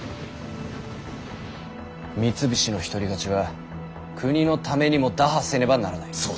三菱の独り勝ちは国のためにも打破せねばならない。